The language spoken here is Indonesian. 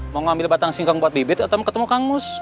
mau ngambil batang singkong buat bibit atau ketemu kang mus